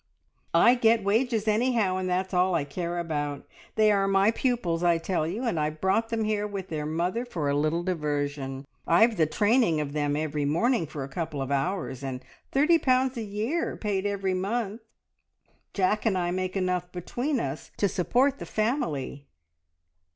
"I get wages, anyhow, and that's all I care about. They are my pupils, I tell you, and I've brought them here with their mother for a little diversion. I've the training of them every morning for a couple of hours, and thirty pounds a year paid every month. Jack and I make enough between us to support the family."